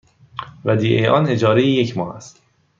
ودیعه آن اجاره یک ماه است.